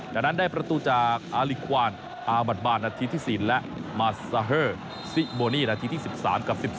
จากนั้นได้ประตูจากอาลิควานอาบัดบานนาทีที่๔และมาซาเฮอร์ซิโบนี่นาทีที่๑๓กับ๑๔